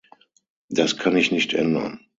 Das kann ich nicht ändern.